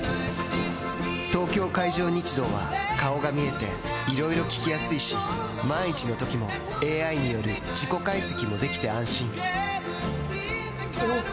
東京海上日動は顔が見えていろいろ聞きやすいし万一のときもＡＩによる事故解析もできて安心おぉ！